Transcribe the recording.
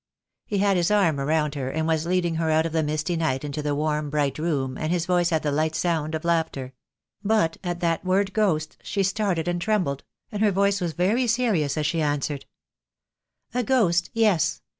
He had his arm around her, and was leading her out of the misty night into the warm, bright room, and his voice had the light sound of laughter; but at that word ghost she started and trembled, and her voice was very serious as she answered, "A ghost, yes!